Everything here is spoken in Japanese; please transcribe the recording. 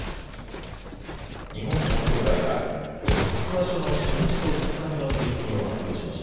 日本相撲協会はきょう初場所の初日と２日目の取組を発表しました。